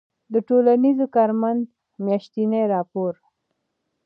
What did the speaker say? د ټـولنیـز کارمنــد میاشتنی راپــور